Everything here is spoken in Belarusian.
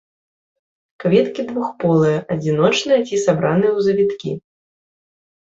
Кветкі двухполыя, адзіночныя ці сабраныя ў завіткі.